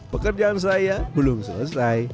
pekerjaan saya belum selesai